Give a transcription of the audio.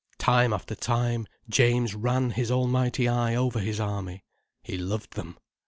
Time after time James ran his almighty eye over his army. He loved them.